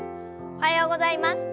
おはようございます。